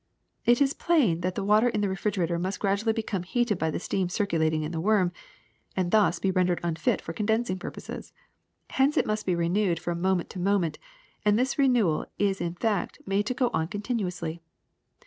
It is plain that the water in the refrigerator must gradually become heated by the steam circulating in the worm, and thus be rendered unfit for condensing purposes. Hence it must be renewed from moment to moment, and this renewal is in fact made to go on continuously.